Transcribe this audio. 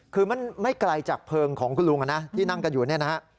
คือมันไม่ไกลจากเพลิงของคุณลุงนะที่นั่งกันอยู่เนี่ยนะฮะ